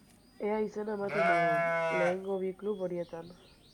Ea izena ematen dugun lehenengo bi klub horietan.